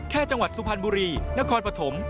จังหวัดสุพรรณบุรีนครปฐม